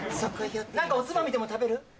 何かおつまみでも食べる？